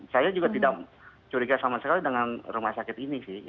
saya juga tidak curiga sama sekali dengan rumah sakit ini sih